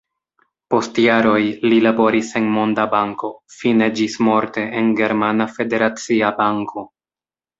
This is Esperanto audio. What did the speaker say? Post jaroj li laboris en Monda Banko, fine ĝismorte en Germana Federacia Banko.